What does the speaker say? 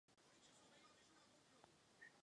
Byl odsouzen k trestu smrti.